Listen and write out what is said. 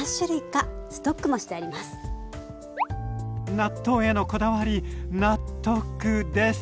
納豆へのこだわり納得です。